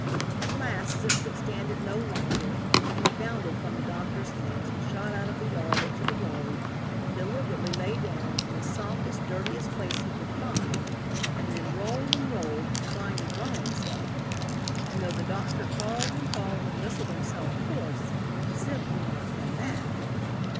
At last Zip could stand it no longer, and he bounded from the doctor's hands and shot out of the yard into the road and deliberately lay down in the softest, dirtiest place he could find, and then rolled and rolled, trying to dry himself. And though the doctor called and called and whistled himself hoarse, Zip did not come back.